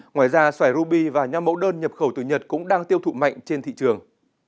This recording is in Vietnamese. ngoài ra xoài ruby và nhóm mẫu đơn nhập khẩu từ nhật cũng đang tiêu thụ mạnh trên thị trường